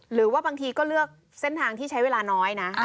หรือว่าบางทีก็เลือกเส้นทางที่ใช้เวลาน้อยนะ